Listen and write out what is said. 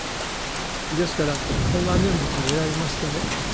ですから本願念仏をえらびますとね